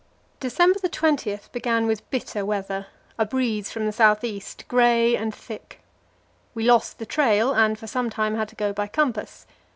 December 20 began with bitter weather, a breeze from the south east, grey and thick. We lost the trail, and for some time had to go by compass.